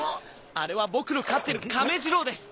あれは僕の飼ってる亀ジローです！